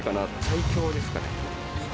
最強ですかね。